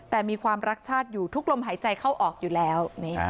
แต่มีความรักชาติอยู่ทุกลมหายใจเข้าออกอยู่แล้ว